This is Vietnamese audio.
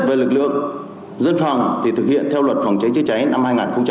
về lực lượng dân phòng thì thực hiện theo luật phòng cháy chữa cháy năm hai nghìn một mươi ba